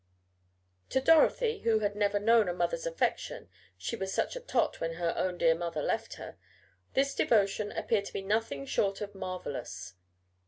To Dorothy, who had never known a mother's affection (she was such a tot when her own dear mother left her), this devotion appeared to be nothing short of marvelous.